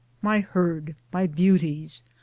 My herd, my beauties !